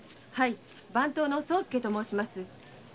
番頭の左右助と申します。